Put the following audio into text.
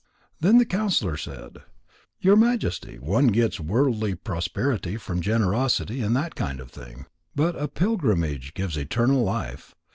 Then the counsellor said: "Your Majesty, one gets worldly prosperity from generosity and that kind of thing. But a pilgrimage gives eternal life.